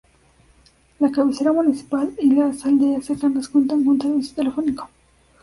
La cabecera municipal y las aldeas cercanas cuentan con servicio telefónico.